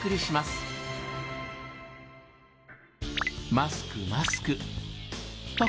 マスクマスクあっ